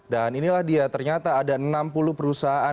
dan inilah dia ternyata ada enam puluh perusahaan